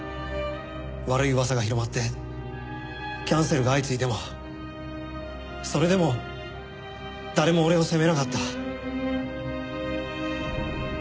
悪い噂が広まってキャンセルが相次いでもそれでも誰も俺を責めなかった。